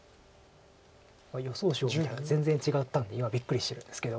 予想手を見たら全然違ったんで今びっくりしてるんですけど。